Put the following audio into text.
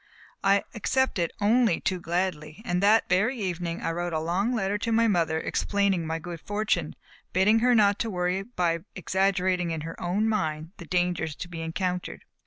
I accepted only too gladly, and that very evening I wrote a long letter to my mother, explaining my good fortune, bidding her not to worry by exaggerating, in her own mind, the dangers to be encountered.